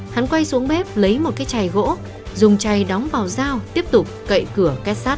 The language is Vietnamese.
hắn quay xuống bếp lấy một cái chày gỗ dùng chày đóng vào dao tiếp tục cậy cửa két sắt